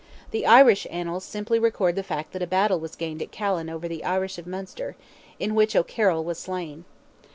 The Irish Annals simply record the fact that a battle was gained at Callan over the Irish of Munster, in which O'Carroll was slain.